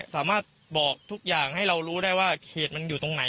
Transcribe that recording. บอกทุกอย่างให้เรารู้ได้ว่าเขตมันอยู่ตรงไหน